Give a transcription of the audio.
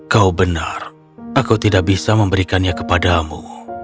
kau benar aku tidak bisa memberikannya kepadamu